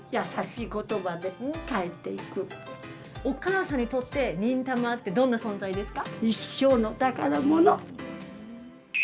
おかあさんにとって「忍たま」ってどんな存在ですか？